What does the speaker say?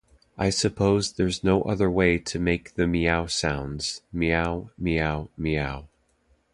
I suppose there's no other way to make the meow sounds, meow, meow, meow.